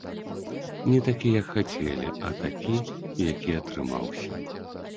Не такі, як хацелі, а такі, які атрымаўся.